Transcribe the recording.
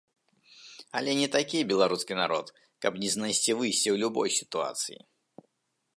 Але не такі беларускі народ, каб не знайсці выйсце ў любой сітуацыі.